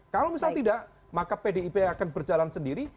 kalau misalnya tidak maka pdip akan berjalan sendiri